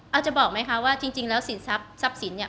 อาจจะบอกไหมคะว่าจริงแล้วสินทรัพย์สินเนี่ย